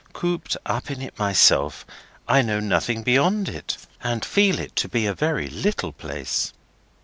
Cooped up in it myself, I know nothing beyond it, and feel it to be a very little place."